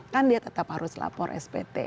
kan dia tetap harus lapor spt